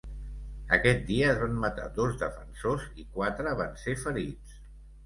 Aquest dia es van matar dos defensors i quatre van ser ferits.